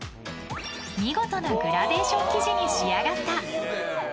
見事なグラデーション生地に仕上がった。